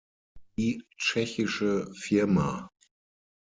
Die tschechische Fa.